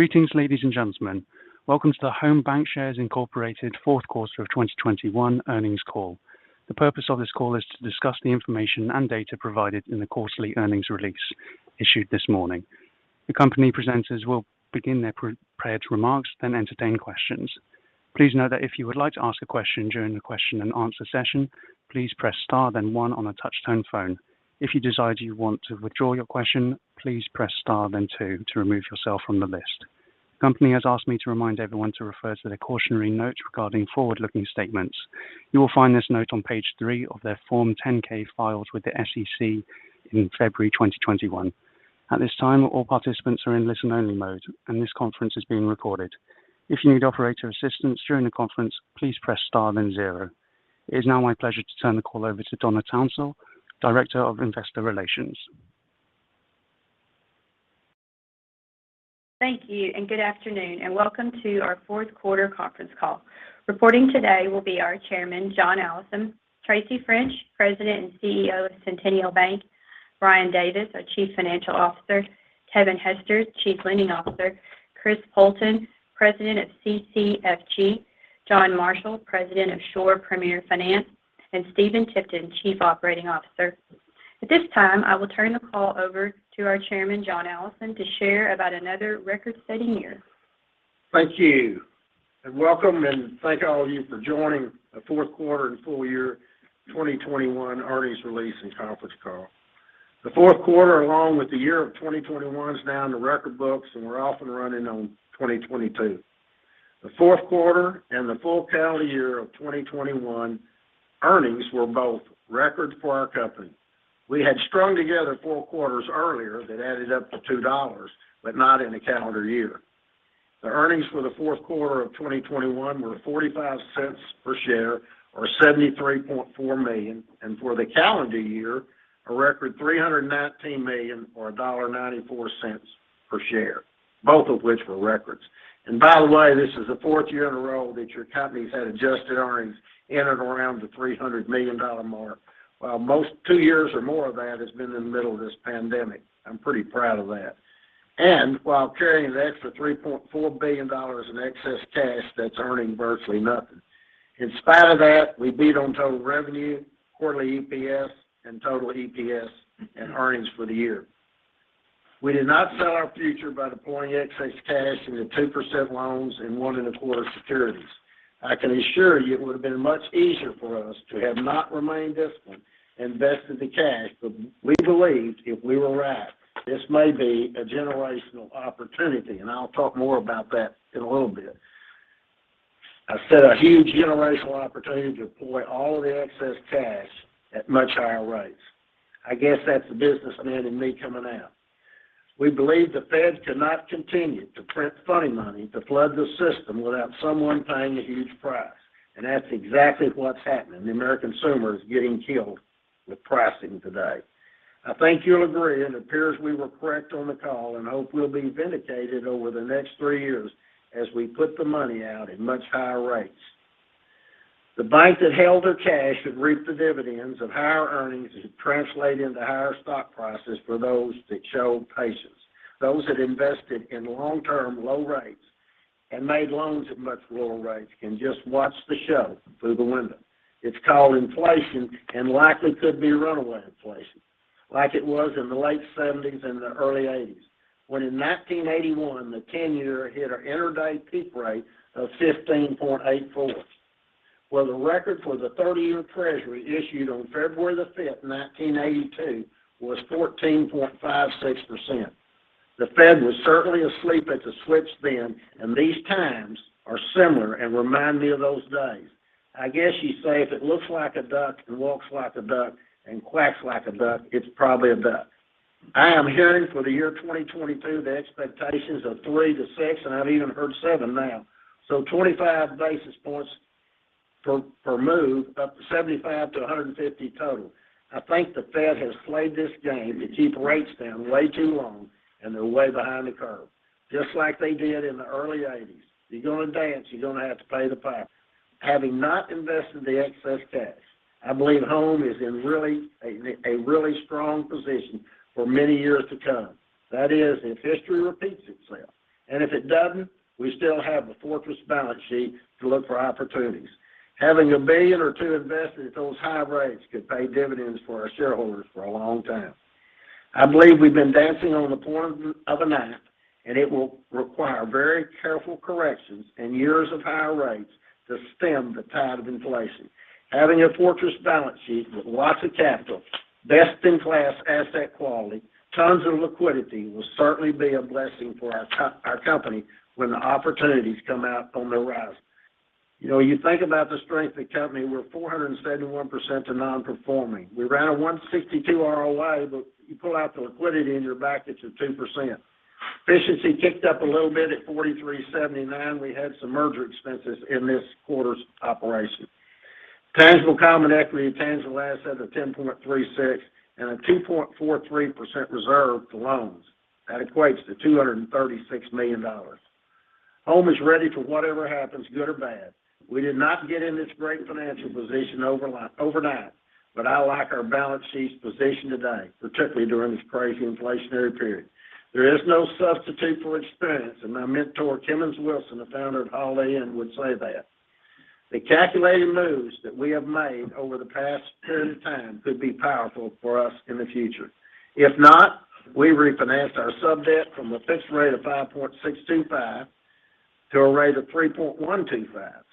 Greetings, ladies and gentlemen. Welcome to the Home BancShares, Inc. Fourth Quarter of 2021 Earnings Call. The purpose of this call is to discuss the information and data provided in the quarterly earnings release issued this morning. The company presenters will begin their pre-prepared remarks, then entertain questions. Please note that if you would like to ask a question during the question and answer session, please press star, then one on a touch-tone phone. If you decide you want to withdraw your question, please press star, then two to remove yourself from the list. The company has asked me to remind everyone to refer to the cautionary note regarding forward-looking statements. You will find this note on page three of their Form 10-K filed with the SEC in February 2021. At this time, all participants are in listen-only mode, and this conference is being recorded. It is now my pleasure to turn the call over to Donna Townsell, Director of Investor Relations. Thank you, and good afternoon, and welcome to our Fourth Quarter Conference call. Reporting today will be our Chairman, John Allison, Tracy French, President and CEO of Centennial Bank, Brian Davis, our Chief Financial Officer, Kevin Hester, Chief Lending Officer, Chris Poulton, President of CCFG, John Marshall, President of Shore Premier Finance, and Stephen Tipton, Chief Operating Officer. At this time, I will turn the call over to our Chairman, John Allison, to share about another record-setting year. Thank you. Welcome, and thank all of you for joining the Fourth Quarter and Full Year 2021 Earnings Release and Conference Call. The fourth quarter, along with the year of 2021 is now in the record books, and we're off and running on 2022. The fourth quarter and the full calendar year of 2021 earnings were both records for our company. We had strung together four quarters earlier that added up to $2, but not in a calendar year. The earnings for the fourth quarter of 2021 were $0.45 per share or $73.4 million, and for the calendar year, a record $319 million or $1.94 per share, both of which were records. By the way, this is the fourth year in a row that your company's had adjusted earnings in and around $300 million. While most two years or more of that has been in the middle of this pandemic. I'm pretty proud of that while carrying an extra $3.4 billion in excess cash that's earning virtually nothing. In spite of that, we beat on total revenue, quarterly EPS, and total EPS and earnings for the year. We did not sell our future by deploying excess cash into 2% loans and 1.25 securities. I can assure you it would have been much easier for us to have not remained disciplined, invested the cash, but we believed if we were right, this may be a generational opportunity, and I'll talk more about that in a little bit. I said a huge generational opportunity to deploy all of the excess cash at much higher rates. I guess that's the businessman in me coming out. We believe the Feds cannot continue to print funny money to flood the system without someone paying a huge price, and that's exactly what's happening. The American consumer is getting killed with pricing today. I think you'll agree it appears we were correct on the call and hope we'll be vindicated over the next three years as we put the money out at much higher rates. The banks that held their cash have reaped the dividends of higher earnings which translate into higher stock prices for those that showed patience. Those that invested in long-term low rates and made loans at much lower rates can just watch the show through the window. It's called inflation and likely could be runaway inflation like it was in the late 1970s and the early 1980s, when in 1981, the 10-year hit an intraday peak rate of 15.84%. Well, the record for the 30-year Treasury issued on February 5th, 1982 was 14.56%. The Fed was certainly asleep at the switch then, and these times are similar and remind me of those days. I guess you say if it looks like a duck and walks like a duck and quacks like a duck, it's probably a duck. I am hearing for the year 2022 the expectations of 3%-6%, and I've even heard 7% now. So 25 basis points per move, up to 75-150 total. I think the Fed has played this game to keep rates down way too long, and they're way behind the curve. Just like they did in the early eighties. You're gonna dance, you're gonna have to pay the piper. Having not invested the excess cash, I believe Home is in a really strong position for many years to come. That is, if history repeats itself. If it doesn't, we still have a fortress balance sheet to look for opportunities. Having $1 billion or $2 billion invested at those high rates could pay dividends for our shareholders for a long time. I believe we've been dancing on the point of a knife, and it will require very careful corrections and years of higher rates to stem the tide of inflation. Having a fortress balance sheet with lots of capital, best in class asset quality, tons of liquidity will certainly be a blessing for our company when the opportunities come out on the rise. You know, you think about the strength of the company, we're 471% to non-performing. We ran a 1.62 ROA, but you pull out the liquidity and you're back into 2%. Efficiency ticked up a little bit at 43.79. We had some merger expenses in this quarter's operation. Tangible common equity and tangible assets of 10.36 and a 2.43% reserve to loans. That equates to $236 million. Home is ready for whatever happens, good or bad. We did not get in this great financial position overnight, but I like our balance sheet's position today, particularly during this crazy inflationary period. There is no substitute for experience, and my mentor, Kemmons Wilson, the founder of Holiday Inn, would say that. The calculated moves that we have made over the past period of time could be powerful for us in the future. If not, we refinanced our sub-debt from a fixed rate of 5.625% to a rate of 3.125%,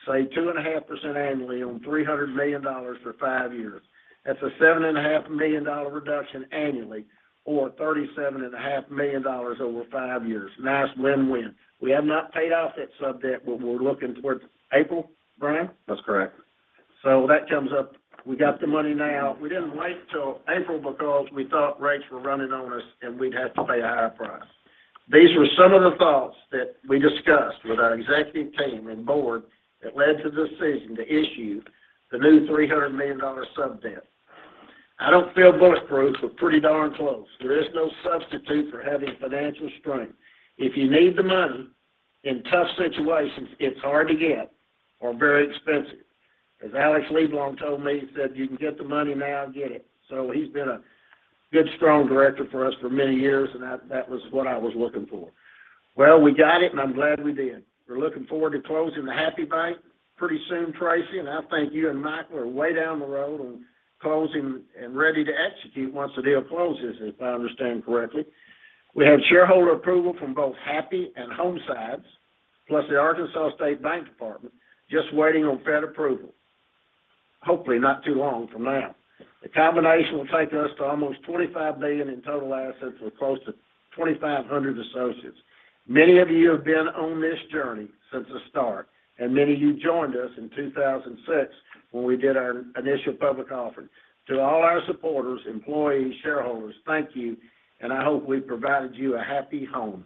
say 2.5% annually on $300 million for five years. That's a $7.5 million dollar reduction annually or $37.5 million dollars over five years. Nice win-win. We have not paid off that sub-debt, but we're looking towards April, Brian? That's correct. That comes up. We got the money now. We didn't wait till April because we thought rates were running on us, and we'd have to pay a higher price. These were some of the thoughts that we discussed with our executive team and board that led to the decision to issue the new $300 million sub-debt. I don't feel bulletproof, but pretty darn close. There is no substitute for having financial strength. If you need the money in tough situations, it's hard to get or very expensive. As Alex Lieblong told me, he said, "You can get the money now, get it." He's been a good, strong director for us for many years, and that was what I was looking for. Well, we got it, and I'm glad we did. We're looking forward to closing the Happy Bank pretty soon, Tracy, and I think you and Michael are way down the road on closing and ready to execute once the deal closes, if I understand correctly. We have shareholder approval from both Happy and Home sides, plus the Arkansas State Bank Department, just waiting on Fed approval, hopefully not too long from now. The combination will take us to almost $25 billion in total assets with close to 2,500 associates. Many of you have been on this journey since the start, and many of you joined us in 2006 when we did our initial public offering. To all our supporters, employees, shareholders, thank you, and I hope we provided you a happy home.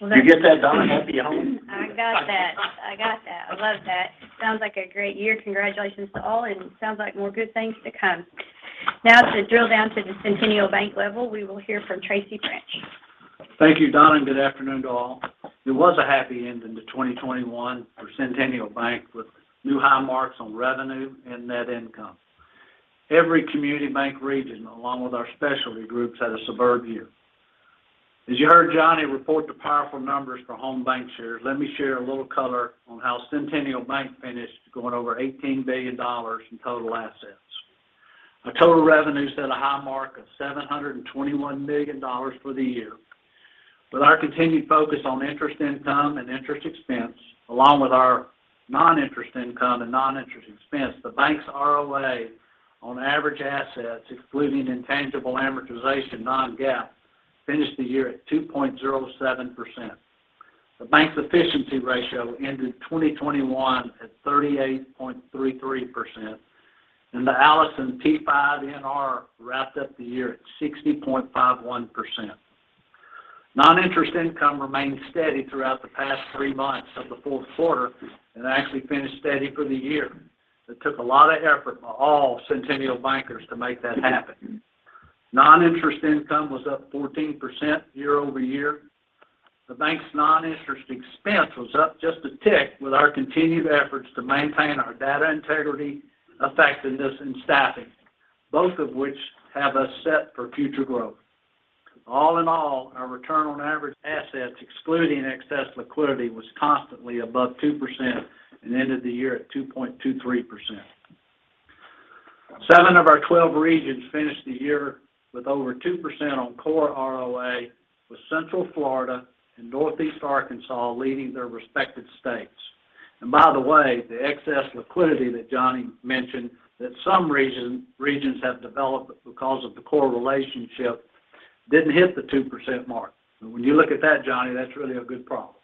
Well, You get that, Donna? Happy home. I got that. I love that. Sounds like a great year. Congratulations to all, and sounds like more good things to come. Now to drill down to the Centennial Bank level, we will hear from Tracy French. Thank you, Donna, and good afternoon to all. It was a happy ending to 2021 for Centennial Bank with new high marks on revenue and net income. Every community bank region, along with our specialty groups, had a superb year. As you heard Johnny report the powerful numbers for Home BancShares, let me share a little color on how Centennial Bank finished going over $18 billion in total assets. Our total revenue set a high mark of $721 million for the year. With our continued focus on interest income and interest expense, along with our non-interest income and non-interest expense, the bank's ROA on average assets, excluding intangible amortization non-GAAP, finished the year at 2.07%. The bank's efficiency ratio ended 2021 at 38.33%, and the Allison P5NR wrapped up the year at 60.51%. Non-interest income remained steady throughout the past three months of the fourth quarter and actually finished steady for the year. It took a lot of effort by all Centennial bankers to make that happen. Non-interest income was up 14% year-over-year. The bank's non-interest expense was up just a tick with our continued efforts to maintain our data integrity, effectiveness, and staffing, both of which have us set for future growth. All in all, our return on average assets, excluding excess liquidity, was constantly above 2% and ended the year at 2.23%. Seven of our 12 regions finished the year with over 2% on core ROA, with Central Florida and Northeast Arkansas leading their respective states. By the way, the excess liquidity that Johnny mentioned that some regions have developed because of the core relationship didn't hit the 2% mark. When you look at that, Johnny, that's really a good problem.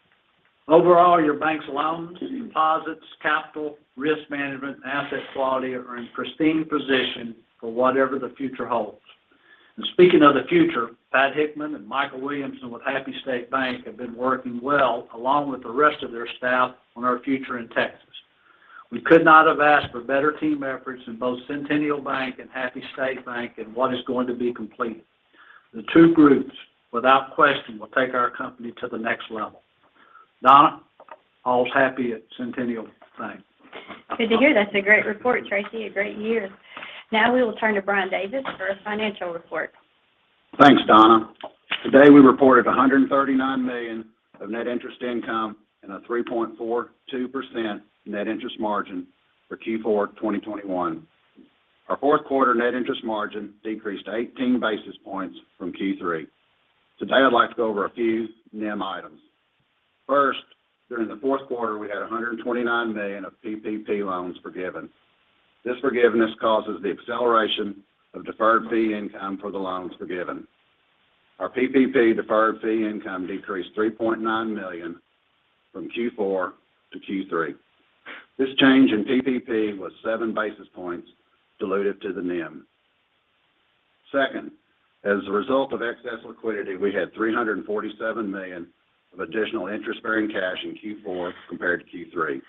Overall, your bank's loans, deposits, capital, risk management, and asset quality are in pristine position for whatever the future holds. Speaking of the future, Pat Hickman and Mikel Williamson with Happy State Bank have been working well, along with the rest of their staff, on our future in Texas. We could not have asked for better team efforts in both Centennial Bank and Happy State Bank and what is going to be complete. The two groups, without question, will take our company to the next level. Donna, all's happy at Centennial Bank. Good to hear. That's a great report, Tracy. A great year. Now we will turn to Brian Davis for a financial report. Thanks, Donna. Today, we reported $139 million of net interest income and a 3.42% net interest margin for Q4 2021. Our fourth quarter net interest margin decreased 18 basis points from Q3. Today, I'd like to go over a few NIM items. First, during the fourth quarter, we had $129 million of PPP loans forgiven. This forgiveness causes the acceleration of deferred fee income for the loans forgiven. Our PPP deferred fee income decreased $3.9 million from Q4-Q3. This change in PPP was 7 basis points dilutive to the NIM. Second, as a result of excess liquidity, we had $347 million of additional interest-bearing cash in Q4 compared to Q3.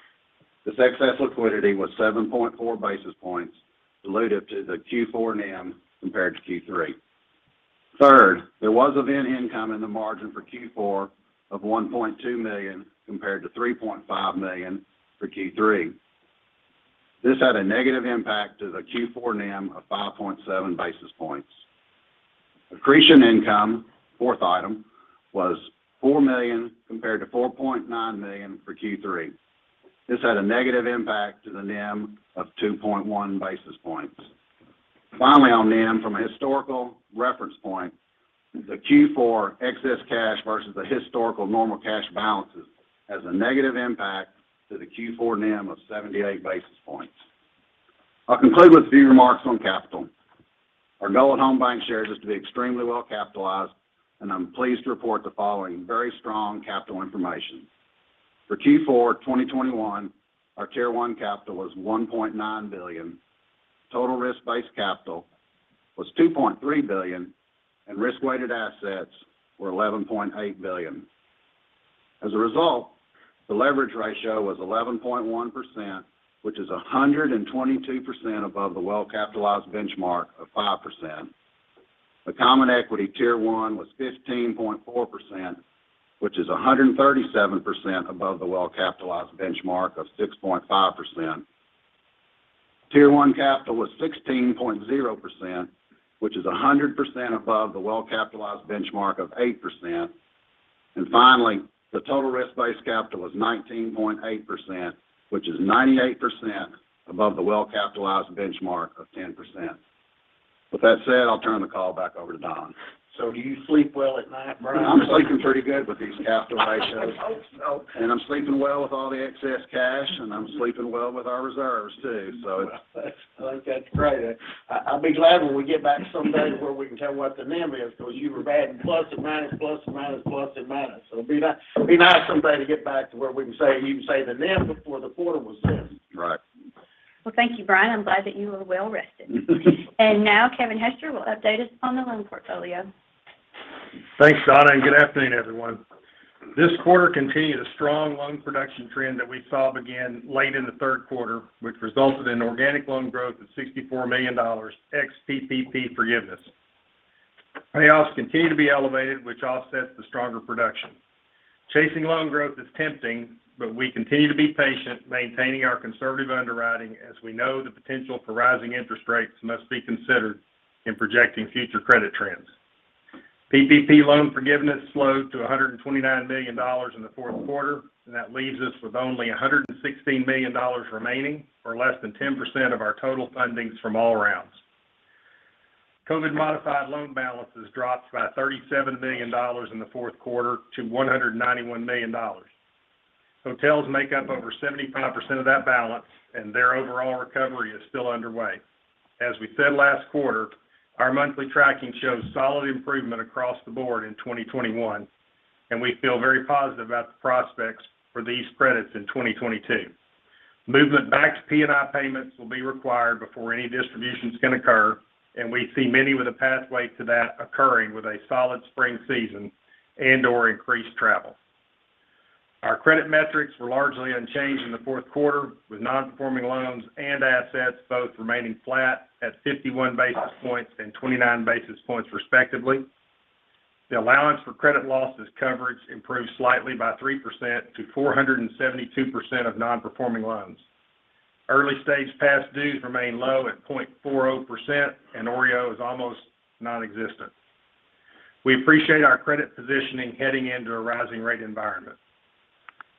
This excess liquidity was 7.4 basis points dilutive to the Q4 NIM compared to Q3. Third, there was event income in the margin for Q4 of $1.2 million, compared to $3.5 million for Q3. This had a negative impact to the Q4 NIM of 5.7 basis points. Accretion income, fourth item, was $4 million compared to $4.9 million for Q3. This had a negative impact to the NIM of 2.1 basis points. Finally, on NIM from a historical reference point, the Q4 excess cash Stephen the historical normal cash balances has a negative impact to the Q4 NIM of 78 basis points. I'll conclude with a few remarks on capital. Our goal at Home BancShares is to be extremely well capitalized, and I'm pleased to report the following very strong capital information. For Q4 2021, our Tier 1 capital was $1.9 billion, total risk-based capital was $2.3 billion, and risk-weighted assets were $11.8 billion. As a result, the leverage ratio was 11.1%, which is 122% above the well-capitalized benchmark of 5%. The Common Equity Tier 1 was 15.4%, which is 137% above the well-capitalized benchmark of 6.5%. Tier 1 capital was 16.0%, which is 100% above the well-capitalized benchmark of 8%. Finally, the total risk-based capital was 19.8%, which is 98% above the well-capitalized benchmark of 10%. With that said, I'll turn the call back over to Donna. Do you sleep well at night, Brian? I'm sleeping pretty good with these capital ratios. Okay. I'm sleeping well with all the excess cash, and I'm sleeping well with our reserves too. Well, that's great. I'll be glad when we get back someday where we can tell what the NIM is, because you were adding plus and minus. It'll be nice someday to get back to where we can say the NIM before the quarter was said. Right. Well, thank you, Brian. I'm glad that you are well rested. Now Kevin Hester will update us on the loan portfolio. Thanks, Donna, and good afternoon, everyone. This quarter continued a strong loan production trend that we saw begin late in the third quarter, which resulted in organic loan growth of $64 million, ex-PPP forgiveness. Payoffs continue to be elevated, which offsets the stronger production. Chasing loan growth is tempting, but we continue to be patient, maintaining our conservative underwriting as we know the potential for rising interest rates must be considered in projecting future credit trends. PPP loan forgiveness slowed to $129 million in the fourth quarter, and that leaves us with only $116 million remaining, or less than 10% of our total fundings from all rounds. COVID-modified loan balances dropped by $37 million in the fourth quarter to $191 million. Hotels make up over 75% of that balance, and their overall recovery is still underway. As we said last quarter, our monthly tracking shows solid improvement across the board in 2021, and we feel very positive about the prospects for these credits in 2022. Movement back to P&I payments will be required before any distributions can occur, and we see many with a pathway to that occurring with a solid spring season and/or increased travel. Our credit metrics were largely unchanged in the fourth quarter, with non-performing loans and assets both remaining flat at 51 basis points and 29 basis points respectively. The allowance for credit losses coverage improved slightly by 3%-472% of non-performing loans. Early stage past dues remain low at 0.40%, and OREO is almost non-existent. We appreciate our credit positioning heading into a rising rate environment.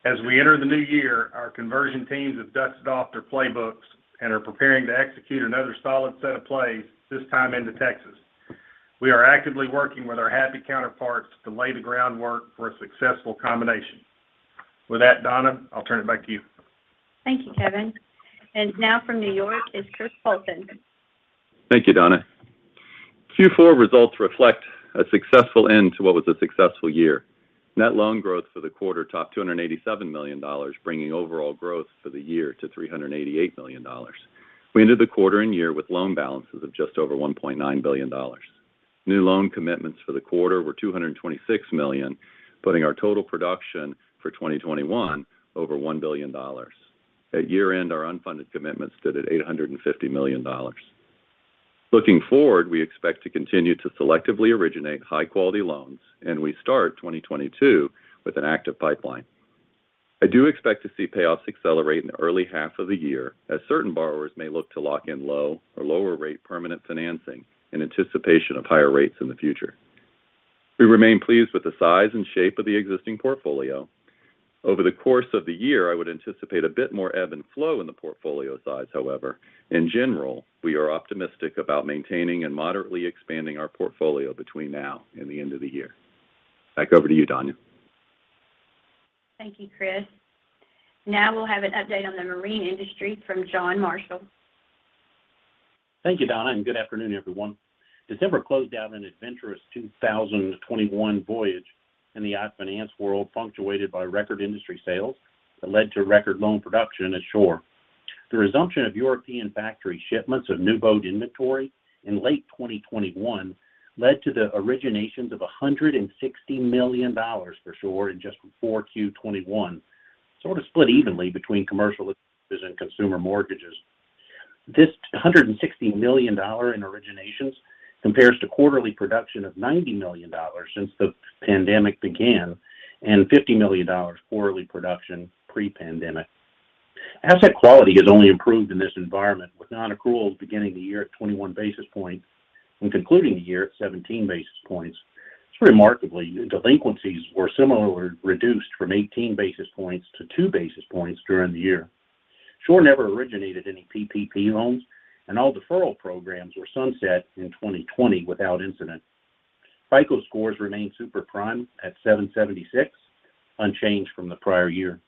As we enter the new year, our conversion teams have dusted off their playbooks and are preparing to execute another solid set of plays, this time into Texas. We are actively working with our Happy counterparts to lay the groundwork for a successful combination. With that, Donna, I'll turn it back to you. Thank you, Kevin. Now from New York is Chris Poulton. Thank you, Donna. Q4 results reflect a successful end to what was a successful year. Net loan growth for the quarter topped $287 million, bringing overall growth for the year to $388 million. We ended the quarter and year with loan balances of just over $1.9 billion. New loan commitments for the quarter were $226 million, putting our total production for 2021 over $1 billion. At year-end, our unfunded commitments stood at $850 million. Looking forward, we expect to continue to selectively originate high-quality loans, and we start 2022 with an active pipeline. I do expect to see payoffs accelerate in the early half of the year, as certain borrowers may look to lock in low or lower rate permanent financing in anticipation of higher rates in the future. We remain pleased with the size and shape of the existing portfolio. Over the course of the year, I would anticipate a bit more ebb and flow in the portfolio size, however. In general, we are optimistic about maintaining and moderately expanding our portfolio between now and the end of the year. Back over to you, Donna. Thank you, Chris. Now we'll have an update on the marine industry from John Marshall. Thank you, Donna, and good afternoon, everyone. December closed out an adventurous 2021 voyage in the yacht finance world, punctuated by record industry sales that led to record loan production ashore. The resumption of European factory shipments of new boat inventory in late 2021 led to the originations of $160 million for Shore in just 4Q 2021, sort of split evenly between commercial and consumer mortgages. This $160 million dollar in originations compares to quarterly production of $90 million since the pandemic began, and $50 million quarterly production pre-pandemic. Asset quality has only improved in this environment with non-accruals beginning the year at 21 basis points and concluding the year at 17 basis points. It's remarkable. Delinquencies were similarly reduced from 18 basis points to 2 basis points during the year. Shore never originated any PPP loans, and all deferral programs were sunset in 2020 without incident. FICO scores remained super prime at 776, unchanged from the prior year.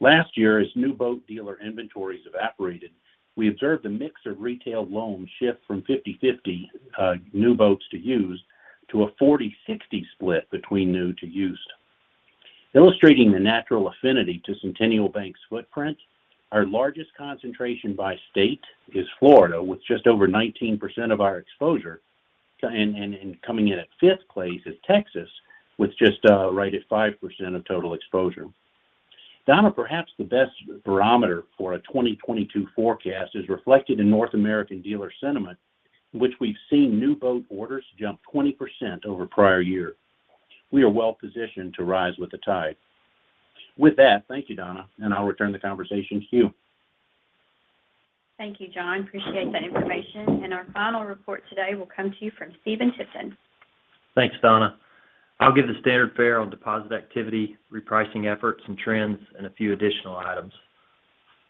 Last year, as new boat dealer inventories evaporated, we observed a mix of retail loans shift from 50/50, new boats to used, to a 40/60 split between new to used. Illustrating the natural affinity to Centennial Bank's footprint, our largest concentration by state is Florida, with just over 19% of our exposure. Coming in at fifth place is Texas, with just right at 5% of total exposure. Donna, perhaps the best barometer for a 2022 forecast is reflected in North American dealer sentiment, which we've seen new boat orders jump 20% over prior year. We are well positioned to rise with the tide. With that, thank you, Donna, and I'll return the conversation to you. Thank you, John. Appreciate that information. Our final report today will come to you from J. Stephen Tipton. Thanks, Donna. I'll give the standard fare on deposit activity, repricing efforts and trends, and a few additional items.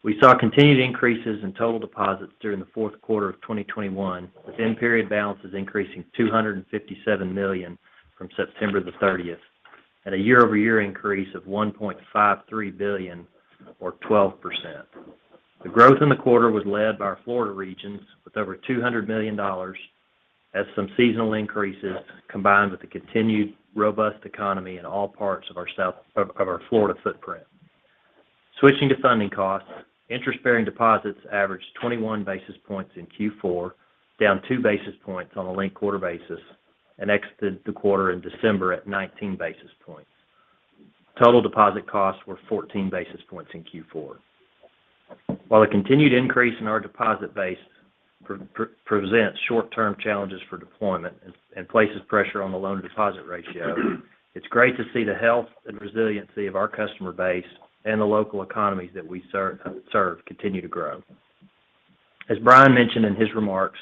We saw continued increases in total deposits during the fourth quarter of 2021, with end period balances increasing $257 million from September 30th at a year-over-year increase of $1.53 billion or 12%. The growth in the quarter was led by our Florida regions with over $200 million as some seasonal increases combined with the continued robust economy in all parts of our Florida footprint. Switching to funding costs, interest-bearing deposits averaged 21 basis points in Q4, down 2 basis points on a linked-quarter basis and exited the quarter in December at 19 basis points. Total deposit costs were 14 basis points in Q4. While a continued increase in our deposit base presents short-term challenges for deployment and places pressure on the loan-to-deposit ratio, it's great to see the health and resiliency of our customer base and the local economies that we serve continue to grow. As Brian mentioned in his remarks,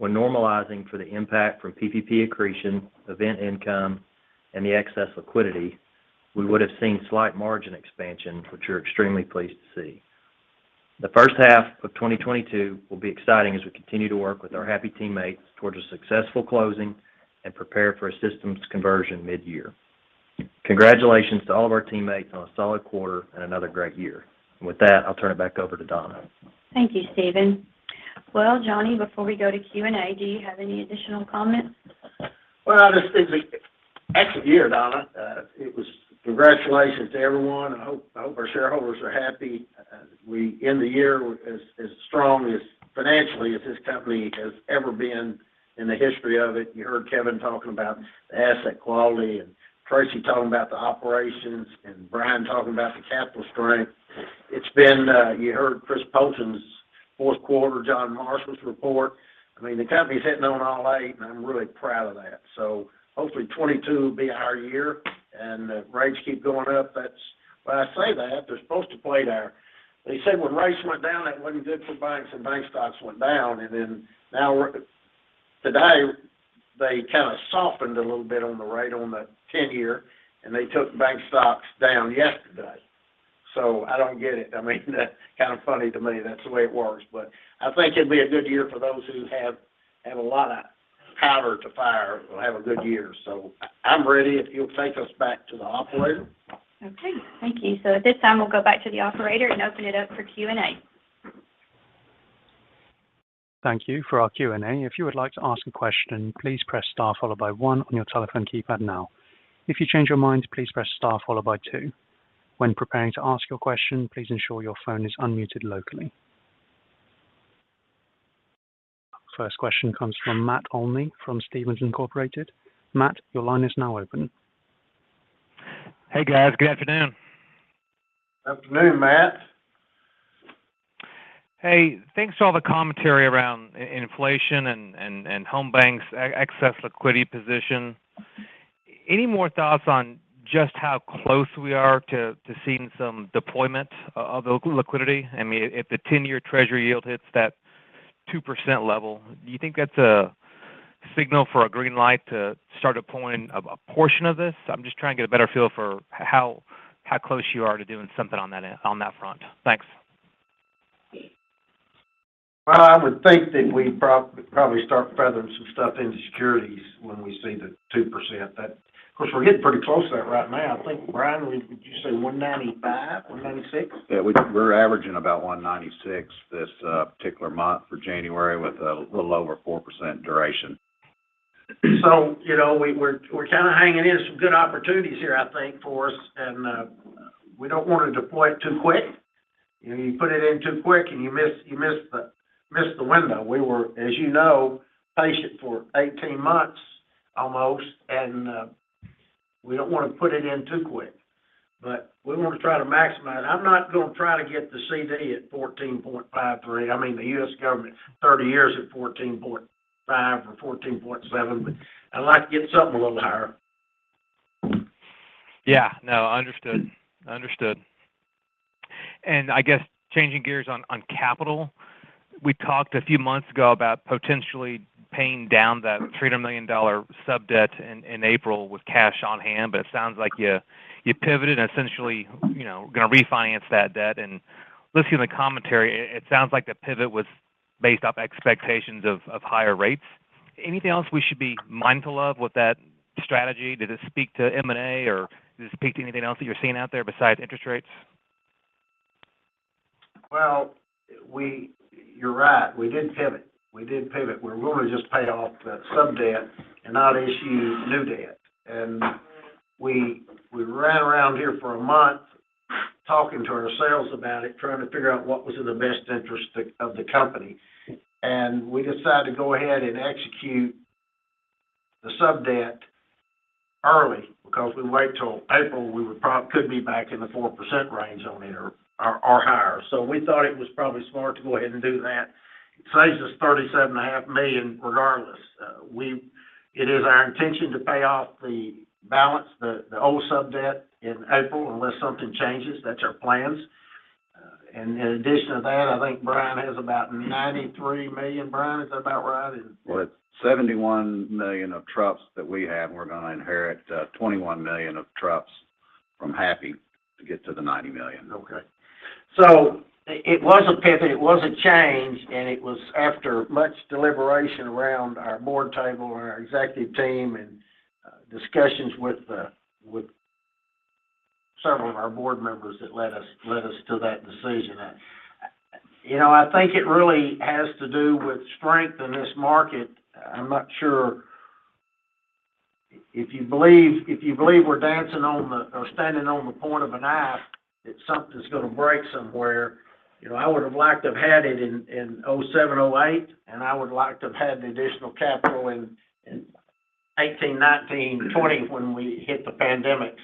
when normalizing for the impact from PPP accretion, event income, and the excess liquidity, we would have seen slight margin expansion, which we're extremely pleased to see. The first half of 2022 will be exciting as we continue to work with our happy teammates towards a successful closing and prepare for a systems conversion midyear. Congratulations to all of our teammates on a solid quarter and another great year. With that, I'll turn it back over to Donna. Thank you, Stephen. Well, Johnny, before we go to Q&A, do you have any additional comments? Well, this has been an excellent year, Donna. Congratulations to everyone. I hope our shareholders are happy. We end the year as strong financially as this company has ever been in the history of it. You heard Kevin talking about asset quality and Tracy talking about the operations and Brian talking about the capital strength. It's been. You heard Chris Poulton's fourth quarter, John Marshall's report. I mean, the company's hitting on all eight, and I'm really proud of that. Hopefully 2022 will be our year and the rates keep going up. That's. When I say that, they're supposed to play there. They said when rates went down, that wasn't good for banks and bank stocks went down. Today they kind of softened a little bit on the rate on the 10-year, and they took bank stocks down yesterday. I don't get it. I mean, kind of funny to me, that's the way it works. I think it'll be a good year for those who have a lot of power to hire, will have a good year. I'm ready if you'll take us back to the operator. Okay, thank you. At this time, we'll go back to the operator and open it up for Q&A. Thank you. For our Q&A, if you would like to ask a question, please press star followed by one on your telephone keypad now. If you change your mind, please press star followed by two. When preparing to ask your question, please ensure your phone is unmuted locally. First question comes from Matt Olney from Stephens Inc. Matt, your line is now open. Hey, guys. Good afternoon. Afternoon, Matt. Hey, thanks for all the commentary around inflation and Home BancShares' excess liquidity position. Any more thoughts on just how close we are to seeing some deployment of the liquidity? I mean, if the 10-year Treasury yield hits that 2% level, do you think that's a signal for a green light to start deploying a portion of this? I'm just trying to get a better feel for how close you are to doing something on that front. Thanks. Well, I would think that we'd probably start feathering some stuff into securities when we see the 2%. That. Of course, we're getting pretty close to that right now. I think, Brian, would you say 1.95, 1.96? Yeah, we're averaging about 1.96 this particular month for January with a little over 4% duration. You know, we're kind of hanging in some good opportunities here, I think, for us. We don't want to deploy it too quick. You know, you put it in too quick and you miss the window. We were, as you know, patient for 18 months almost, and we don't want to put it in too quick. We want to try to maximize it. I'm not gonna try to get the CD at 14.53. I mean, the US government's 30 years at 14.7, but I'd like to get something a little higher. Yeah. No, understood. I guess changing gears on capital, we talked a few months ago about potentially paying down that $300 million sub-debt in April with cash on hand. It sounds like you pivoted and essentially, you know, gonna refinance that debt. Listening to the commentary, it sounds like the pivot was based off expectations of higher rates. Anything else we should be mindful of with that strategy? Did it speak to M&A, or did it speak to anything else that you're seeing out there besides interest rates? You're right. We did pivot. We were gonna just pay off the sub-debt and not issue new debt. We ran around here for a month talking to our board about it, trying to figure out what was in the best interest of the company. We decided to go ahead and execute the sub-debt early because if we wait till April, we would could be back in the 4% range on it or higher. We thought it was probably smart to go ahead and do that. Saves us $37.5 million regardless. It is our intention to pay off the balance, the old sub-debt in April, unless something changes. That's our plans. In addition to that, I think Brian has about $93 million. Brian, is that about right? Is it- Well, it's $71 million of trusts that we have, and we're gonna inherit $21 million of trusts from Happy to get to the $90 million. Okay. It was a pivot, it was a change, and it was after much deliberation around our board table and our executive team and discussions with several of our board members that led us to that decision. You know, I think it really has to do with strength in this market. I'm not sure. If you believe we're dancing on the or standing on the point of a knife, that something's gonna break somewhere, you know, I would've liked to have had it in 2007, 2008, and I would liked to have had the additional capital in 2018, 2019, 2020 when we hit the pandemic.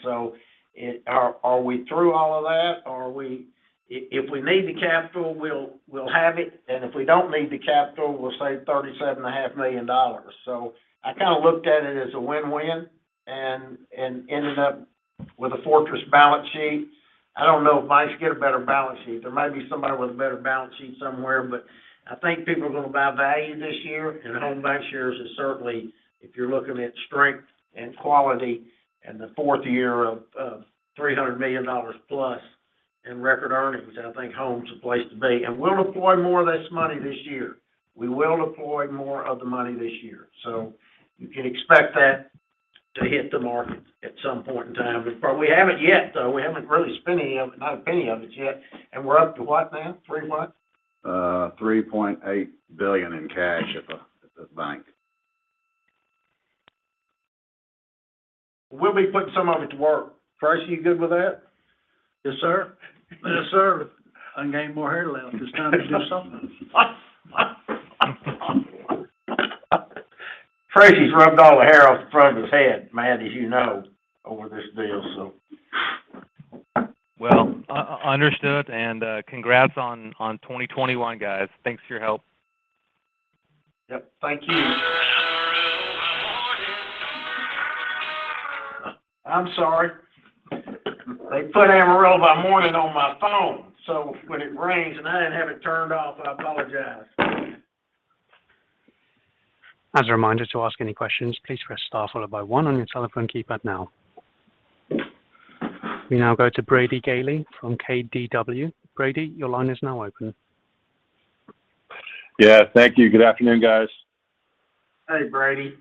It. Are we through all of that? Are we. If we need the capital, we'll have it, and if we don't need the capital, we'll save $37.5 million. I kind of looked at it as a win-win and ended up with a fortress balance sheet. I don't know if banks get a better balance sheet. There might be somebody with a better balance sheet somewhere, but I think people are gonna buy value this year, and Home BancShares is certainly, if you're looking at strength and quality and the fourth year of $300 million plus in record earnings, I think Home's the place to be. We'll deploy more of this money this year. We will deploy more of the money this year. You can expect that to hit the market at some point in time. We haven't yet, though. We haven't really spent any of it, not any of it yet. We're up to what now? Three what? $3.8 billion in cash at the bank. We'll be putting some of it to work. Tracy, you good with that? Yes, sir. I ain't got any more hair left. It's time to do something. Tracy's rubbed all the hair off the front of his head, Matt, as you know, over this deal, so. Well, understood, and congrats on 2021, guys. Thanks for your help. Yep. Thank you. I'm sorry. They put Amarillo by Morning on my phone, so when it rings, and I didn't have it turned off. I apologize. As a reminder, to ask any questions, please press star followed by one on your telephone keypad now. We now go to Brady Gailey from KBW. Brady, your line is now open. Yeah. Thank you. Good afternoon, guys. Hey, Brady.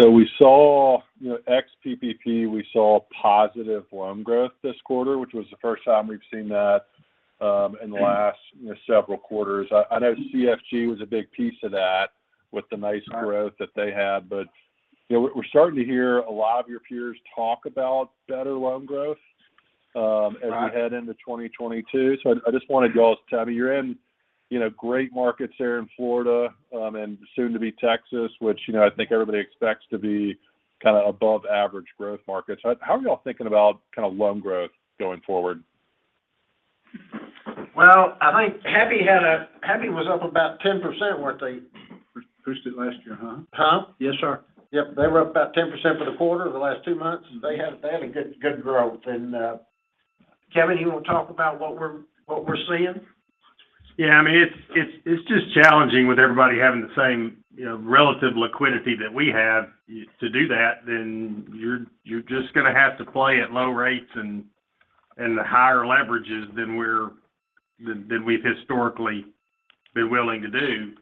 We saw, you know, ex-PPP, we saw positive loan growth this quarter, which was the first time we've seen that in the last, you know, several quarters. I know CCFG was a big piece of that with the nice growth that they had, but, you know, we're starting to hear a lot of your peers talk about better loan growth, Right... as we head into 2022. I just wanted y'all's take. You're in, you know, great markets there in Florida, and soon to be Texas, which, you know, I think everybody expects to be kind of above average growth markets. How are y'all thinking about kind of loan growth going forward? Well, I think Happy was up about 10%, weren't they? Boosted last year, huh? Huh? Yes, sir. Yep. They were up about 10% for the quarter, the last two months. They had a good growth. Kevin, you want to talk about what we're seeing? Yeah, I mean, it's just challenging with everybody having the same, you know, relative liquidity that we have. To do that, then you're just gonna have to play at low rates and the higher leverages than we've historically been willing to do.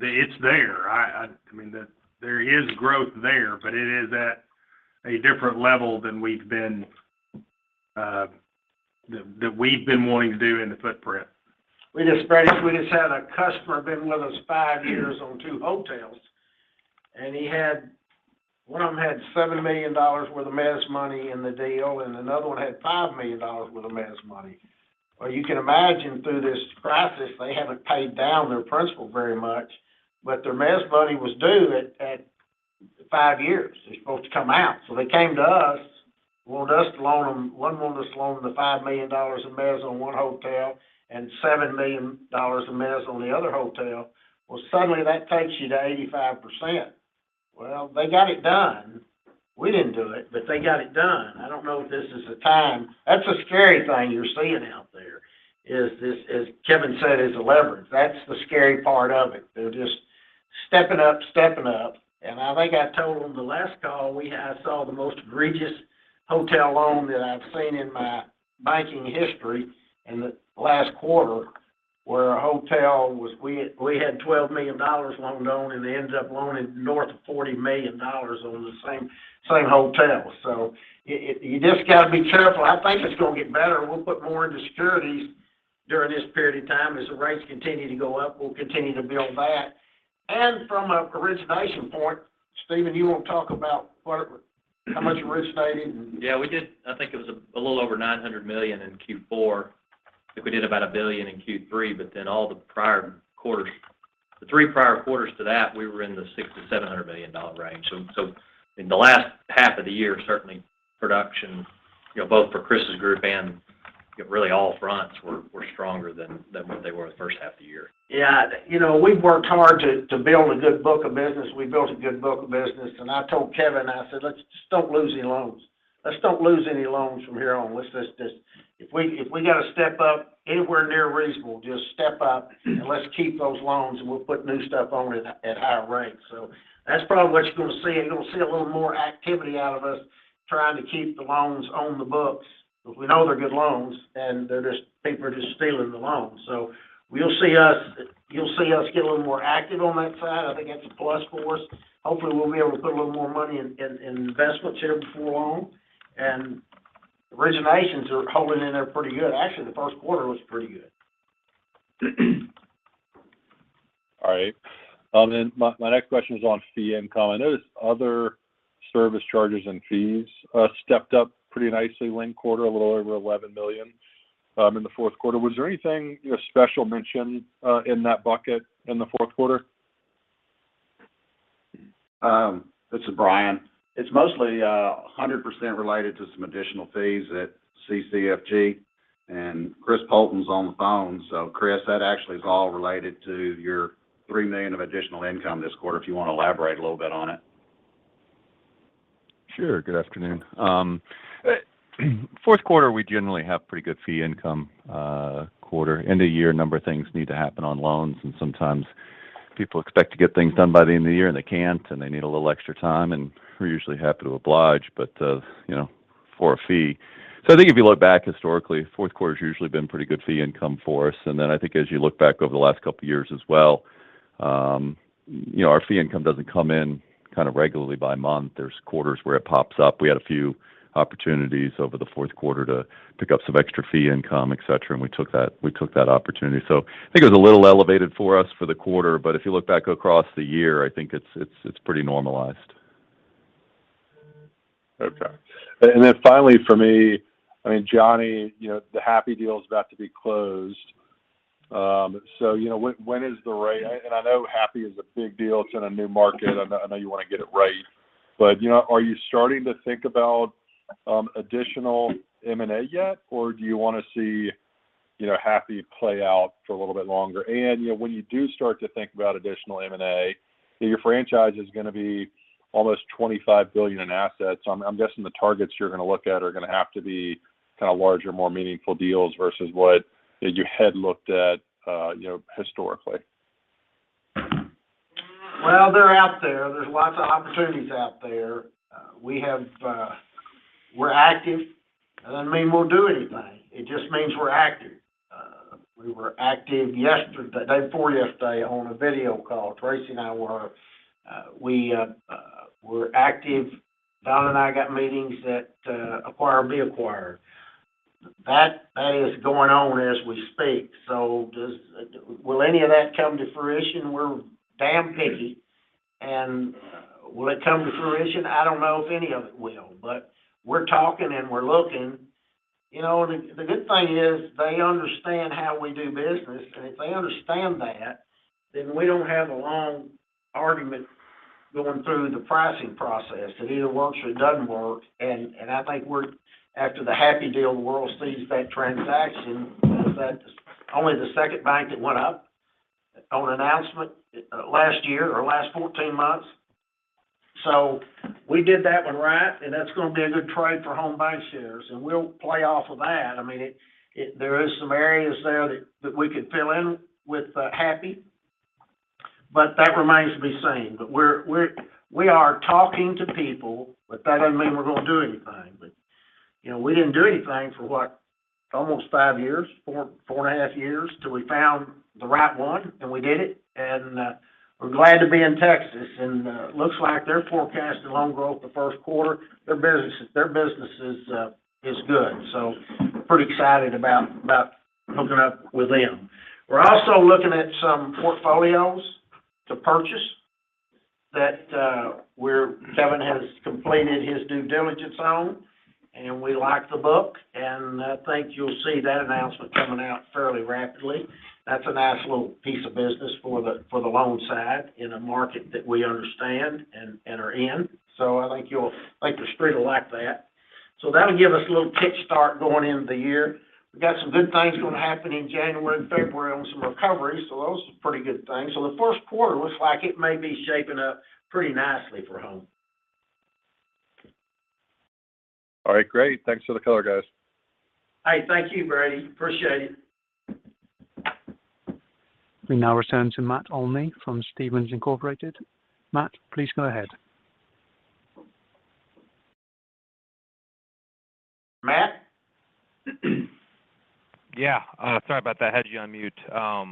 It's there. I mean, there is growth there, but it is at a different level than we've been that we've been wanting to do in the footprint. We just spread it. We just had a customer been with us five years on two hotels, and one of them had $7 million worth of mezzanine money in the deal, and another one had $5 million worth of mezzanine money. Well, you can imagine through this crisis, they haven't paid down their principal very much, but their mezzanine money was due at five years. It was supposed to come out. They came to us, wanted us to loan them, one wanted us to loan the $5 million in mezzanine on one hotel and $7 million in mezzanine on the other hotel. Well, suddenly that takes you to 85%. Well, they got it done. We didn't do it, but they got it done. I don't know if this is a time. That's a scary thing you're seeing out there, is this, as Kevin said, is the leverage. That's the scary part of it. They're just stepping up. I think I told them the last call, we had saw the most egregious hotel loan that I've seen in my banking history in the last quarter, where we had $12 million loaned on, and they ended up loaning north of $40 million on the same hotel. You just got to be careful. I think it's going to get better, and we'll put more into securities during this period of time. As the rates continue to go up, we'll continue to build that. From an origination point, Stephen, you want to talk about what, how much originating and Yeah, we did. I think it was a little over $900 million in Q4. I think we did about $1 billion in Q3, but then all the prior quarters, the three prior quarters to that, we were in the $600 million-$700 million range. In the last half of the year, certainly production, you know, both for Chris's group and really all fronts were stronger than what they were the first half of the year. Yeah. You know, we've worked hard to build a good book of business. We built a good book of business. I told Kevin, I said, "Let's just don't lose any loans. Let's don't lose any loans from here on. Let's just If we got to step up anywhere near reasonable, just step up, and let's keep those loans, and we'll put new stuff on it at higher rates." That's probably what you're going to see, and you'll see a little more activity out of us trying to keep the loans on the books because we know they're good loans, and they're just people are just stealing the loans. You'll see us get a little more active on that side. I think that's a plus for us. Hopefully, we'll be able to put a little more money in investments here before long. Originations are holding in there pretty good. Actually, the first quarter was pretty good. All right. My next question is on fee income. I noticed other service charges and fees stepped up pretty nicely linked quarter, a little over $11 million in the fourth quarter. Was there anything, you know, special mentioned in that bucket in the fourth quarter? This is Brian. It's mostly 100% related to some additional fees at CCFG. Chris Poulton's on the phone. Chris, that actually is all related to your $3 million of additional income this quarter, if you want to elaborate a little bit on it. Sure. Good afternoon. Fourth quarter, we generally have pretty good fee income, quarter. End of year, a number of things need to happen on loans, and sometimes people expect to get things done by the end of the year, and they can't, and they need a little extra time, and we're usually happy to oblige, but, you know, for a fee. I think if you look back historically, fourth quarter's usually been pretty good fee income for us. I think as you look back over the last couple of years as well, you know, our fee income doesn't come in kind of regularly by month. There's quarters where it pops up. We had a few opportunities over the fourth quarter to pick up some extra fee income, et cetera, and we took that opportunity. I think it was a little elevated for us for the quarter, but if you look back across the year, I think it's pretty normalized. Finally for me, I mean, Johnny, you know, the Happy deal is about to be closed. I know Happy is a big deal. It's in a new market. I know you want to get it right. You know, are you starting to think about additional M&A yet, or do you wanna see, you know, Happy play out for a little bit longer? You know, when you do start to think about additional M&A, your franchise is gonna be almost $25 billion in assets. I'm guessing the targets you're gonna look at are gonna have to be kinda larger, more meaningful deals Stephen what you had looked at historically. Well, they're out there. There's lots of opportunities out there. We're active. That doesn't mean we'll do anything. It just means we're active. We were active yesterday, day before yesterday on a video call. Tracy and I were. We're active. Don and I got meetings at Acquire or Be Acquired. That is going on as we speak. Will any of that come to fruition? We're damn picky. Will it come to fruition? I don't know if any of it will. We're talking and we're looking. You know, the good thing is they understand how we do business. If they understand that, then we don't have a long argument going through the pricing process. It either works or it doesn't work. I think we're after the Happy deal, the world sees that transaction as only the second bank that went up on announcement last year or last 14 months. We did that one right, and that's gonna be a good trade for Home BancShares, and we'll play off of that. There is some areas there that we could fill in with Happy, but that remains to be seen. We are talking to people, but that doesn't mean we're gonna do anything. We didn't do anything for almost four and a half years till we found the right one, and we did it. We're glad to be in Texas, and looks like their forecast in loan growth the first quarter, their business is good. Pretty excited about hooking up with them. We're also looking at some portfolios to purchase that Kevin has completed his due diligence on, and we like the book, and I think you'll see that announcement coming out fairly rapidly. That's a nice little piece of business for the loan side in a market that we understand and are in. I think the street will like that. That'll give us a little kick start going into the year. We've got some good things gonna happen in January and February on some recoveries, so those are pretty good things. The first quarter looks like it may be shaping up pretty nicely for Home. All right, great. Thanks for the color, guys. All right. Thank you, Brady. Appreciate it. We now return to Matt Olney from Stephens Inc. Matt, please go ahead. Matt? Yeah. Sorry about that. Had you on mute. Of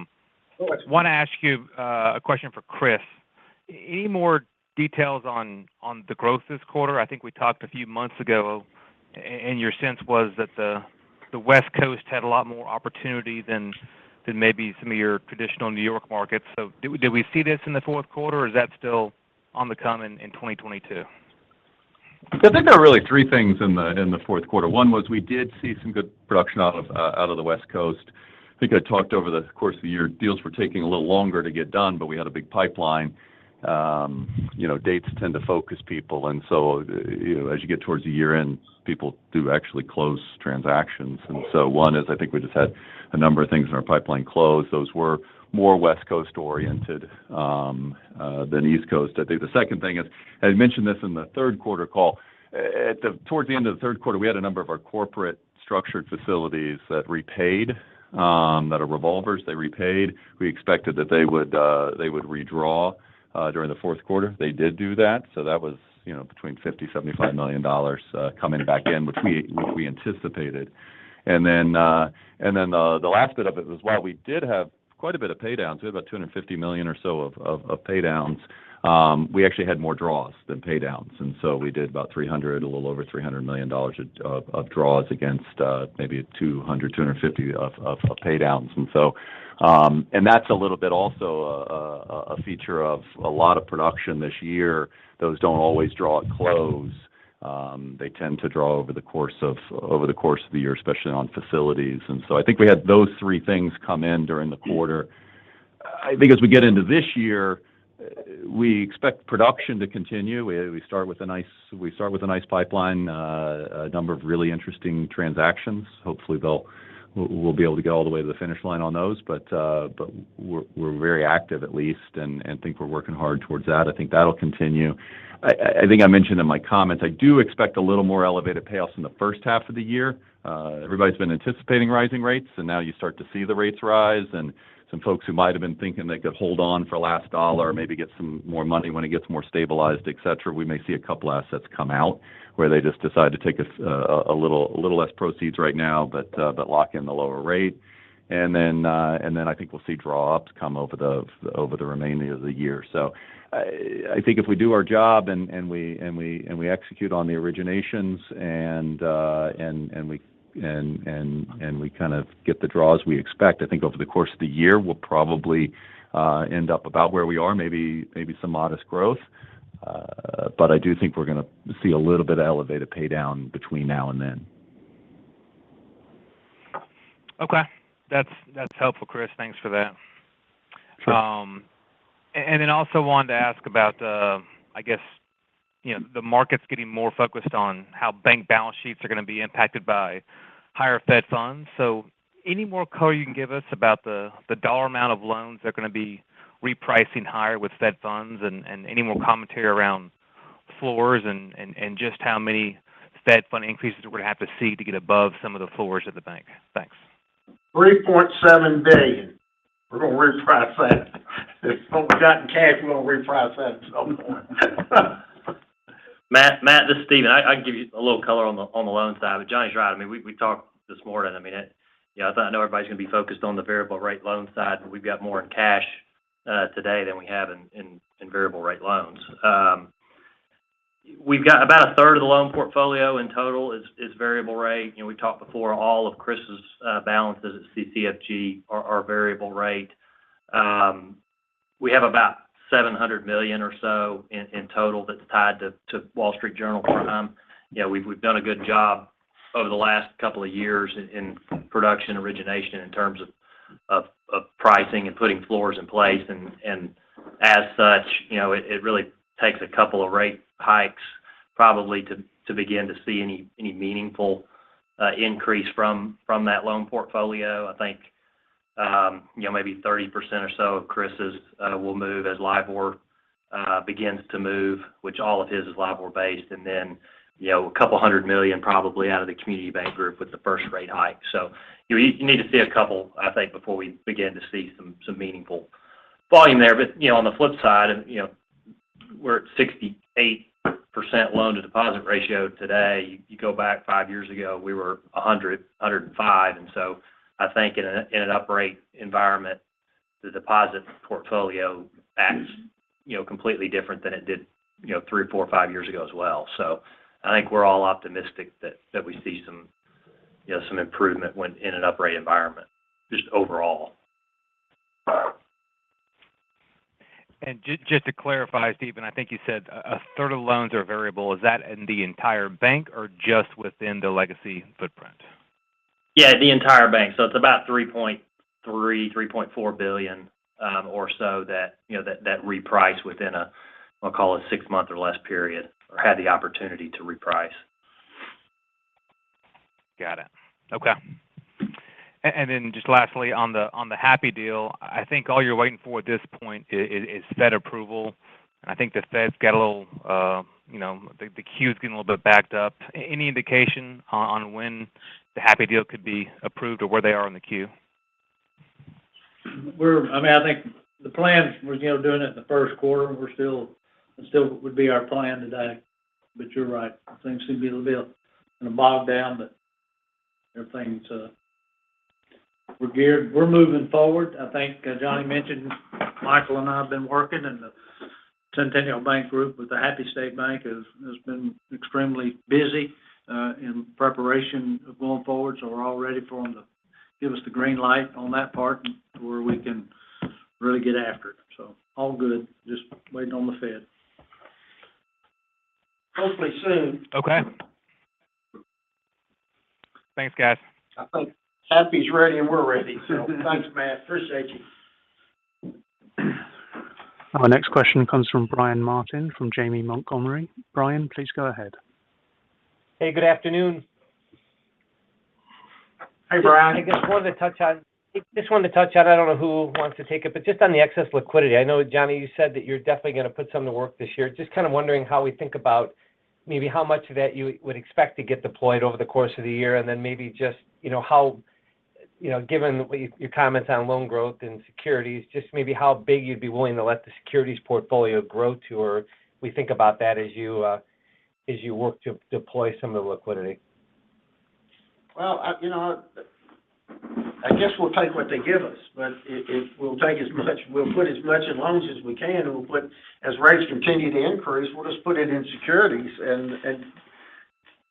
course. wanted to ask you a question for Chris. Any more details on the growth this quarter? I think we talked a few months ago, and your sense was that the West Coast had a lot more opportunity than maybe some of your traditional New York markets. Did we see this in the fourth quarter, or is that still on the come in 2022? I think there are really three things in the fourth quarter. One was we did see some good production out of the West Coast. I think I talked over the course of the year, deals were taking a little longer to get done, but we had a big pipeline. You know, dates tend to focus people, and so, you know, as you get towards the year-end, people do actually close transactions. One is, I think we just had a number of things in our pipeline close. Those were more West Coast-oriented than East Coast. I think the second thing is, I mentioned this in the third quarter call. Towards the end of the third quarter, we had a number of our corporate structured facilities that repaid, that are revolvers. They repaid. We expected that they would redraw during the fourth quarter. They did do that. That was, you know, between $50-$75 million coming back in, which we anticipated. Then the last bit of it was while we did have quite a bit of paydowns, we had about $250 million or so of paydowns, we actually had more draws than paydowns. We did about $300, a little over $300 million of draws against maybe $200-$250 of paydowns. That's a little bit also a feature of a lot of production this year. Those don't always draw at close. They tend to draw over the course of the year, especially on facilities. I think we had those three things come in during the quarter. I think as we get into this year, we expect production to continue. We start with a nice pipeline, a number of really interesting transactions. Hopefully, we'll be able to go all the way to the finish line on those. But we're very active at least and think we're working hard towards that. I think that'll continue. I think I mentioned in my comments, I do expect a little more elevated payoffs in the first half of the year. Everybody's been anticipating rising rates, and now you start to see the rates rise. Some folks who might have been thinking they could hold on for last dollar, maybe get some more money when it gets more stabilized, et cetera. We may see a couple assets come out where they just decide to take a little less proceeds right now, but lock in the lower rate. Then I think we'll see draw ups come over the remaining of the year. I think if we do our job and we execute on the originations and we kind of get the draws we expect, I think over the course of the year, we'll probably end up about where we are, maybe some modest growth. I do think we're gonna see a little bit of elevated paydown between now and then. Okay. That's helpful, Chris. Thanks for that. Sure. Wanted to ask about, I guess, you know, the market's getting more focused on how bank balance sheets are gonna be impacted by higher Fed funds. Any more color you can give us about the dollar amount of loans that are gonna be repricing higher with Fed funds and any more commentary around floors and just how many Fed fund increases we're gonna have to see to get above some of the floors at the bank? Thanks. $3.7 billion. We're gonna reprice that. If folks got in cash, we're gonna reprice that at some point. Matt, this is Stephen. I can give you a little color on the loan side, but Johnny's right. I mean, we talked this morning. I mean, you know, I thought I know everybody's going to be focused on the variable rate loan side, but we've got more in cash today than we have in variable rate loans. We've got about a third of the loan portfolio in total is variable rate. You know, we talked before all of Chris's balances at CCFG are variable rate. We have about $700 million or so in total that's tied to Wall Street Journal Prime. You know, we've done a good job over the last couple of years in production origination in terms of pricing and putting floors in place. As such, you know, it really takes a couple of rate hikes probably to begin to see any meaningful increase from that loan portfolio. I think, you know, maybe 30% or so of Chris's will move as LIBOR begins to move, which all of his is LIBOR-based. Then, you know, $200 million probably out of the community bank group with the first rate hike. You need to see a couple, I think, before we begin to see some meaningful volume there. You know, on the flip side, you know. We're at 68% loan-to-deposit ratio today. You go back five years ago, we were 105. I think in an uprate environment, the deposit portfolio acts, you know, completely different than it did, you know, three or four or five years ago as well. I think we're all optimistic that that we see some, you know, some improvement when in an uprate environment, just overall. Just to clarify, Stephen, I think you said a third of loans are variable. Is that in the entire bank or just within the legacy footprint? Yeah, the entire bank. It's about $3.3 billion-$3.4 billion or so that, you know, reprice within a, I'll call it six-month or less period, or had the opportunity to reprice. Got it. Okay. Just lastly on the Happy deal, I think all you're waiting for at this point is Fed approval. I think the Fed's got a little, the queue's getting a little bit backed up. Any indication on when the Happy deal could be approved or where they are in the queue? I mean, I think the plan was, you know, doing it in the first quarter, and we're still, it still would be our plan today. You're right, things seem to be a little bit kind of bogged down, but everything's, we're moving forward. I think Johnny mentioned Michael and I have been working, and the Centennial Bank group with the Happy State Bank has been extremely busy in preparation of going forward. We're all ready for them to give us the green light on that part where we can really get after it. All good. Just waiting on the Fed. Hopefully soon. Okay. Thanks, guys. I think Happy's ready, and we're ready. Thanks, Matt. Appreciate you. Our next question comes from Brian Martin from Janney Montgomery Scott. Brian, please go ahead. Hey, good afternoon. Hi, Brian. Just wanted to touch on, I don't know who wants to take it, but just on the excess liquidity. I know Johnny, you said that you're definitely going to put some to work this year. Just kind of wondering how we think about maybe how much of that you would expect to get deployed over the course of the year, and then maybe just, you know, how, you know, given what you, your comments on loan growth and securities, just maybe how big you'd be willing to let the securities portfolio grow to, or we think about that as you work to deploy some of the liquidity. Well, you know, I guess we'll take what they give us. If we'll take as much, we'll put as much in loans as we can, and as rates continue to increase, we'll just put it in securities and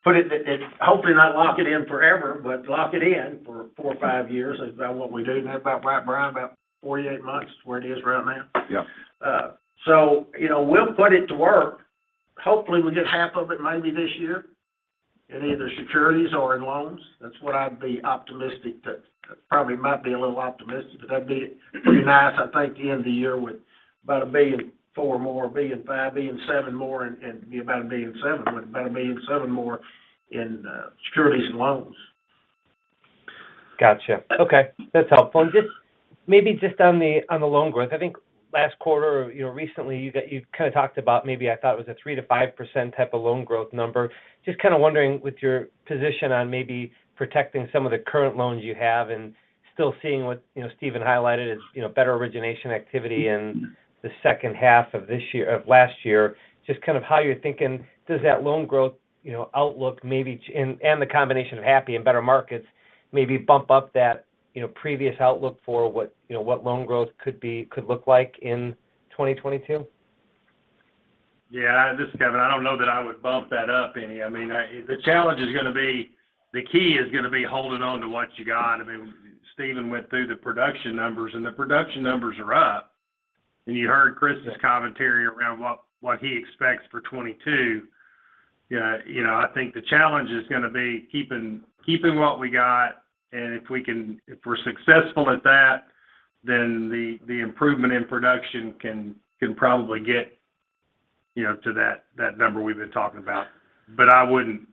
put it, and hopefully not lock it in forever, but lock it in for four or five years is about what we do. Isn't that about right, Brian? About 48 months is where it is right now. Yeah. You know, we'll put it to work. Hopefully, we'll get half of it maybe this year in either securities or in loans. That's what I'd be optimistic that probably might be a little optimistic, but that'd be pretty nice. I think the end of the year with about $1.4 billion more, $1.5 billion, $1.7 billion more, and be about $1.7 billion, with about $1.7 billion more in securities and loans. Gotcha. Okay. That's helpful. Just maybe on the loan growth, I think last quarter or, you know, recently, you kind of talked about maybe I thought it was a 3%-5% type of loan growth number. Just kind of wondering with your position on maybe protecting some of the current loans you have and still seeing what, you know, Stephen highlighted as, you know, better origination activity in the second half of last year, just kind of how you're thinking does that loan growth, you know, outlook maybe and the combination of Happy and better markets maybe bump up that, you know, previous outlook for what, you know, what loan growth could be, could look like in 2022? Yeah. This is Kevin. I don't know that I would bump that up any. I mean, the challenge is gonna be, the key is gonna be holding on to what you got. I mean, Stephen went through the production numbers, and the production numbers are up. You heard Chris' commentary around what he expects for 2022. You know, I think the challenge is gonna be keeping what we got, and if we're successful at that, then the improvement in production can probably get, you know, to that number we've been talking about. I wouldn't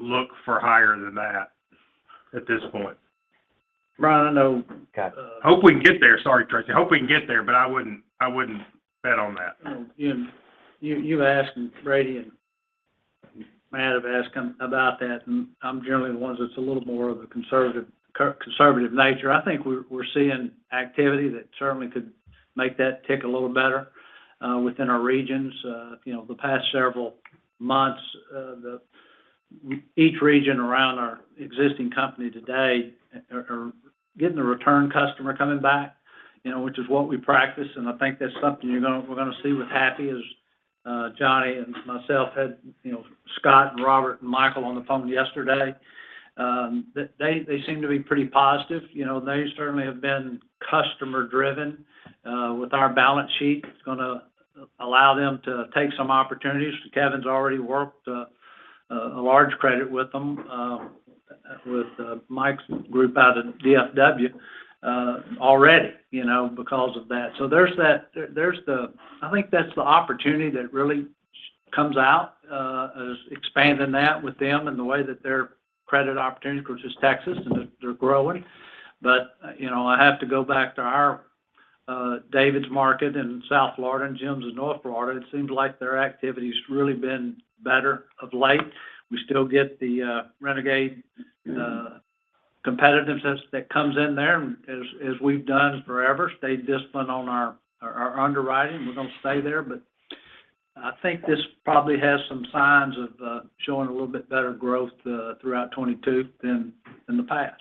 look for higher than that at this point. Brian, I know. Got it. hope we can get there. Sorry, Tracy. I hope we can get there, but I wouldn't bet on that. You asked, and Brady and Matt have asked about that, and I'm generally the one that's a little more of a conservative nature. I think we're seeing activity that certainly could make that tick a little better within our regions. You know, the past several months, each region around our existing company today are getting the return customer coming back, you know, which is what we practice, and I think that's something we're gonna see with Happy as Johnny and myself had, you know, Scott and Robert and Mikel on the phone yesterday. They seem to be pretty positive. You know, they certainly have been customer driven with our balance sheet. It's gonna allow them to take some opportunities. Kevin's already worked a large credit with them, with Mike's group out of DFW, already, you know, because of that. There's that. I think that's the opportunity that really comes out, is expanding that with them and the way that their credit opportunity, which is Texas, and they're growing. You know, I have to go back to our David's market in South Florida and Jim's in North Florida. It seems like their activity's really been better of late. We still get the renegade. Competitiveness that comes in there as we've done forever, stayed disciplined on our underwriting. We're gonna stay there. I think this probably has some signs of showing a little bit better growth throughout 2022 than in the past.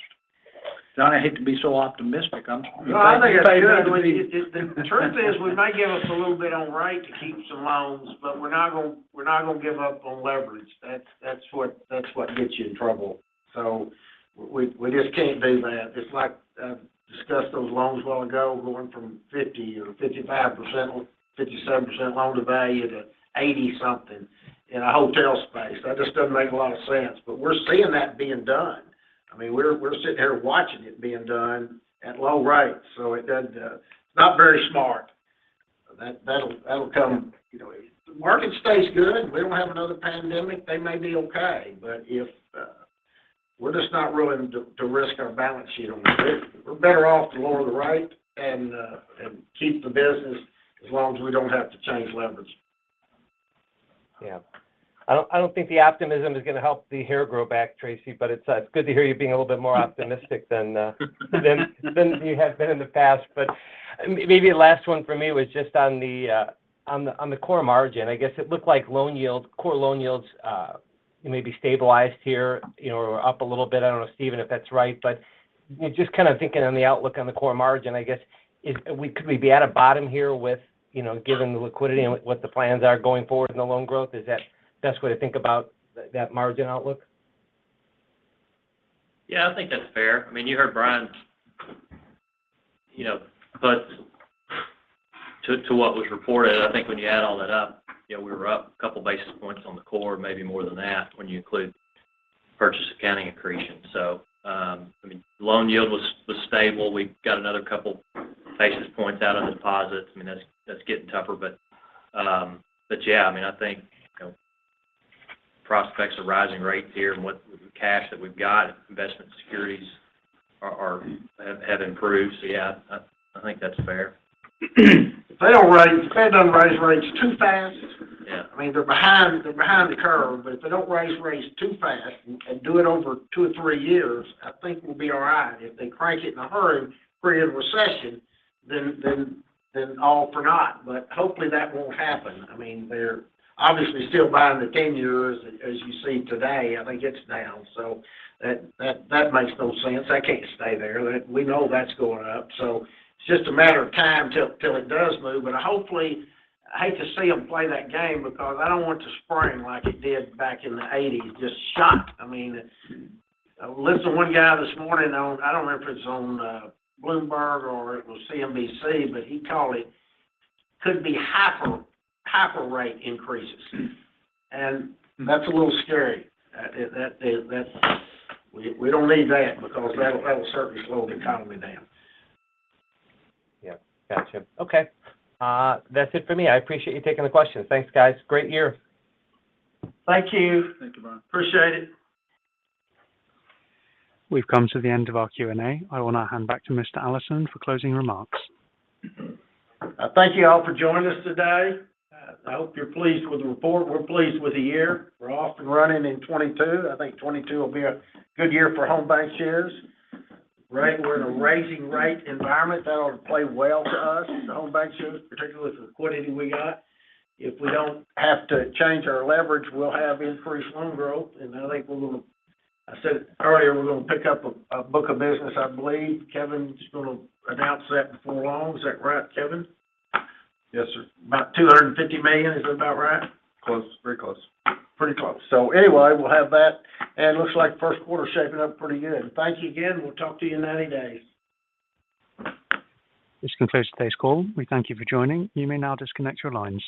John, I hate to be so optimistic. No, I think that's good. You pay me to be the truth is, we may give up a little bit on rate to keep some loans, but we're not gonna give up on leverage. That's what gets you in trouble. We just can't do that. It's like I've discussed those loans a while ago, going from 50% or 55% or 57% loan-to-value to 80-something in a hotel space. That just doesn't make a lot of sense. We're seeing that being done. I mean, we're sitting here watching it being done at low rates, so it doesn't. It's not very smart. That'll come. You know, if the market stays good, we don't have another pandemic, they may be okay. But if. We're just not willing to risk our balance sheet on this. We're better off to lower the rate and keep the business as long as we don't have to change leverage. Yeah. I don't think the optimism is gonna help the hair grow back, Tracy, but it's good to hear you being a little bit more optimistic than you have been in the past. Maybe last one from me was just on the core margin. I guess it looked like loan yield, core loan yields, maybe stabilized here, you know, or up a little bit. I don't know, Stephen, if that's right. Just kind of thinking on the outlook on the core margin, I guess is could we be at a bottom here with, you know, given the liquidity and what the plans are going forward in the loan growth? Is that the best way to think about that margin outlook? Yeah, I think that's fair. I mean, you heard Brian, you know, but to what was reported, I think when you add all that up, you know, we were up a couple basis points on the core, maybe more than that when you include purchase accounting accretion. I mean, loan yield was stable. We've got another couple basis points out on deposits. I mean, that's getting tougher. But yeah, I mean, I think, you know, prospects of rising rates here and what cash that we've got, investment securities have improved. Yeah, I think that's fair. If they don't raise rates too fast. Yeah. I mean, they're behind the curve, but if they don't raise rates too fast and do it over two or three years, I think we'll be all right. If they crank it in a hurry and create a recession, then all for naught. But hopefully, that won't happen. I mean, they're obviously still buying the 10-year, as you see today, I think it's down. So that makes no sense. That can't stay there. We know that's going up. So it's just a matter of time till it does move. But hopefully, I hate to see them play that game because I don't want to spring like it did back in the eighties, just shock. I mean, I listened to one guy this morning on. I don't remember if it's on Bloomberg or it was CNBC, but he called it could be hyper rate increases. That's a little scary. We don't need that because that'll certainly slow the economy down. Yeah. Gotcha. Okay. That's it for me. I appreciate you taking the questions. Thanks, guys. Great year. Thank you. Thank you, Brian. Appreciate it. We've come to the end of our Q&A. I want to hand back to Mr. Allison for closing remarks. Thank you all for joining us today. I hope you're pleased with the report. We're pleased with the year. We're off and running in 2022. I think 2022 will be a good year for Home BancShares, right? We're in a rising rate environment. That'll play well to us at Home BancShares, particularly with the liquidity we got. If we don't have to change our leverage, we'll have increased loan growth. I think we're gonna pick up a book of business, I believe. I said it earlier. Kevin's gonna announce that before long. Is that right, Kevin? Yes, sir. About $250 million. Is that about right? Close. Very close. Pretty close. Anyway, we'll have that. It looks like first quarter is shaping up pretty good. Thank you again, and we'll talk to you in 90 days. This concludes today's call. We thank you for joining. You may now disconnect your lines.